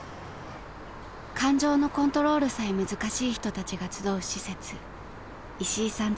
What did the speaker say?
［感情のコントロールさえ難しい人たちが集う施設いしいさん